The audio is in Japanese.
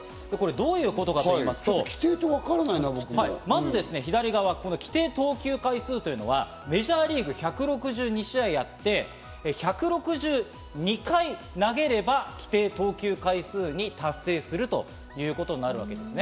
どういうことかと言いますと、まず左側、規定投球回数というのはメジャーリーグ１６２試合あって、１６２回投げれば規定投球回数に達成するということになるわけです。